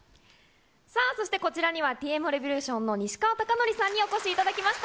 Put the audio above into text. さあそして、こちらにはＴ．Ｍ．Ｒｅｖｏｌｕｔｉｏｎの西川貴教さんにお越しいただきました。